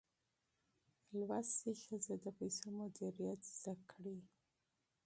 زده کړه ښځه د پیسو مدیریت زده کړی.